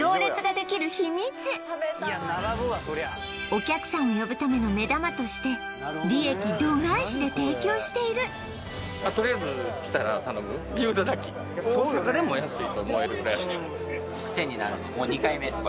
お客さんを呼ぶための目玉として利益度外視で提供しているもう２回目です